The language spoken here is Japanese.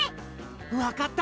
わかった！